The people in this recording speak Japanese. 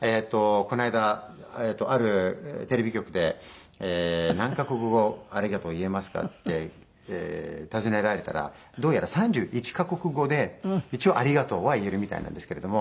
この間あるテレビ局で「何カ国語“ありがとう”言えますか？」って尋ねられたらどうやら３１カ国語で一応「ありがとう」は言えるみたいなんですけれども。